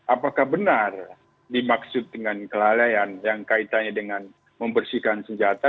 apakah benar dimaksud dengan kelalaian yang kaitannya dengan membersihkan senjata